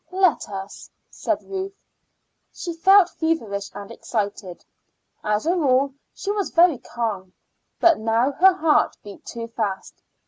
"Let us," said Ruth. She felt feverish and excited. As a rule she was very calm, but now her heart beat too fast.